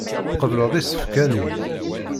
Tqebleḍ isefka-nni.